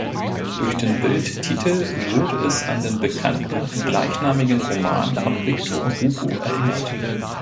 Durch den Bildtitel wurde es an den bekannten gleichnamigen Roman von Victor Hugo erinnert.